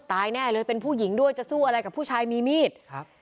แน่เลยเป็นผู้หญิงด้วยจะสู้อะไรกับผู้ชายมีมีดครับ